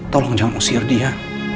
tolong jangan usir dia